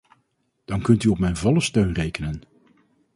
Dan kunt u op mijn volle steun rekenen.